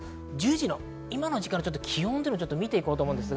１０時の今の時間の気温を見ていきます。